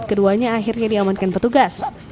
keduanya akhirnya diamankan petugas